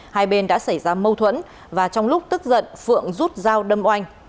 hai bên đã xảy ra mâu thuẫn và trong lúc tức giận phượng rút dao đâm oanh